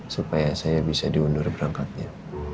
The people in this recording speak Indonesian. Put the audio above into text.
supaya saya bisa diundur berangkatnya